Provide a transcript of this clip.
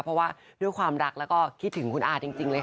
เพราะว่าด้วยความรักแล้วก็คิดถึงคุณอาจริงเลยค่ะ